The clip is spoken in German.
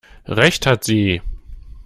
Recht hat sie!